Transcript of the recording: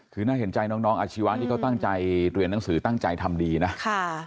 คือน่าเห็นใจน้องอาชีวะที่เขาตั้งใจเรียนหนังสือตั้งใจทำดีนะค่ะ